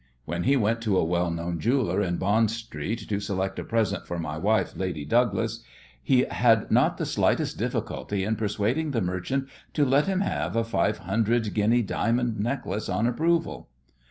When he went to a well known jeweller in Bond Street to select a "present for my wife, Lady Douglas," he had not the slightest difficulty in persuading the merchant to let him have a five hundred guinea diamond necklace on approval.